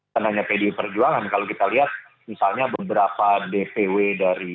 karena pdi perjuangan kalau kita lihat misalnya beberapa dpw dari